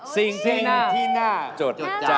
สิ่งที่น่าจดจำ